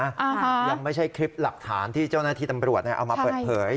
ยังไม่ใช่คลิปหลักฐานที่เจ้าหน้าที่ตำรวจเนี่ยเอามาเปิดเผย